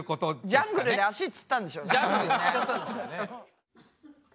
ジャングルで足つったんでしょうね。